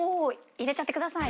入れちゃってください。